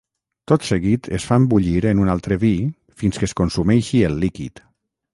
Tot seguit es fan bullir en un altre vi fins que es consumeixi el líquid.